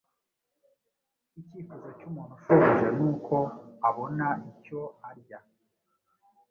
Icyifuzo cy’ umuntu ushonje nuko abona icyo arya